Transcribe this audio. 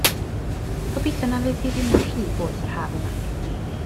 Gobeithio na fydd hi ddim yn rhy boeth yr haf yma.